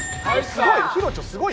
すごい。